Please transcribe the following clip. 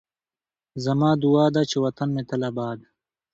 زما دعا ده چې وطن مې تل اباد